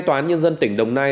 tòa án nhân dân tỉnh đồng nai